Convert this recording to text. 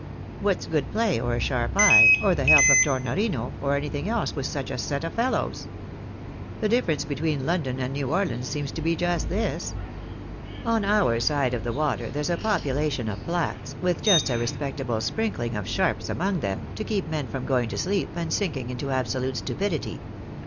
What's good play, or a sharp eye, or the help of Tor norino, or anything else, with such a set of fellows ? The difference between London and New Orleans seems to be just this :— On our side of the water there's a population of _/?ate, with just a respectable sprinkling of sharps among them to keep men from going to sleep, and sinking into absolute stupidity.